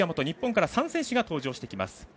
日本から３選手が登場してきます。